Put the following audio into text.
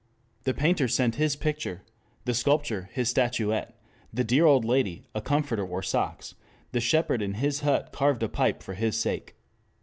The painter sent his picture, the sculptor his statuette, the dear old lady a comforter or socks, the shepherd in his hut carved a pipe for his sake.